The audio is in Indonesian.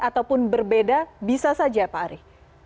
ataupun berbeda bisa saja pak ari